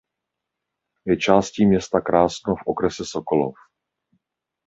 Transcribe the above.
Je částí města Krásno v okrese Sokolov.